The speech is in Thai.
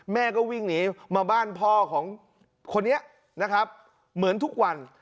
แม่ก็วิ่งหนีมาบ้านพ่อของคนนี้นะครับเหมือนทุกวัน